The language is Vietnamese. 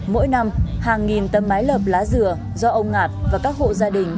mỗi năm hàng nghìn tấm mái lợp lá dừa do ông ngạt và các hộ gia đình